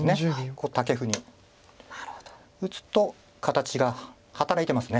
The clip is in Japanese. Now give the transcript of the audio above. こうタケフに打つと形が働いてます。